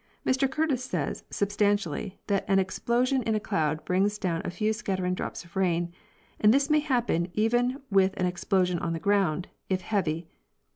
Mr Curtis says, substantially, that an explo sion in a cloud brings down a few scattering drops of rain, and this may happen even with an explosion on the ground, if heavy.